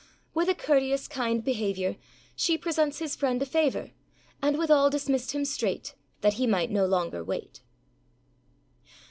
With a courteous kind behaviour, She presents his friend a favour, And withal dismissed him straight, That he might no longer wait.